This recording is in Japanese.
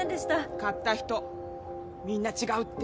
買った人みんな違うって。